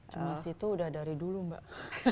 emisi itu udah dari dulu mbak